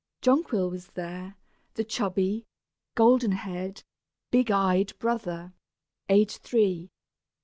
Jonquil was there, the chubby, golden haired, big eyed brother, aged three.